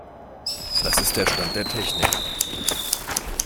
Das ist der Stand der Technik.